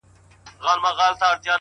فرنګ به تر اورنګه پوري پل په وینو یوسي٫